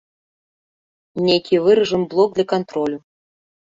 Нейкі выражам блок для кантролю.